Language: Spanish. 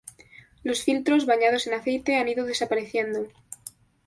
Los filtros bañados en aceite han ido desapareciendo.